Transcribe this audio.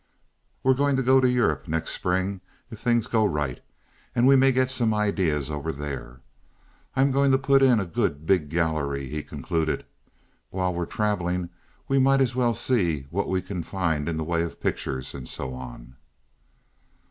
We're going to go to Europe next spring, if things go right, and we may get some ideas over there. I'm going to put in a good big gallery," he concluded. "While we're traveling we might as well see what we can find in the way of pictures and so on."